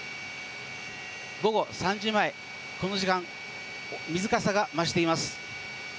午後３時前この時間、水かさが増しています。